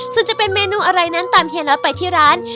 ส่วนจะเป็นเมนูอะไรนั้นตามเฮียน็อตไปที่ร้าน